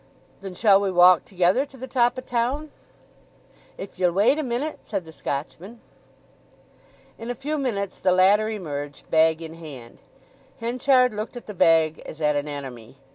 "Then shall we walk together to the top o' town?" "If ye'll wait a minute," said the Scotchman. In a few minutes the latter emerged, bag in hand. Henchard looked at the bag as at an enemy.